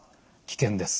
危険です。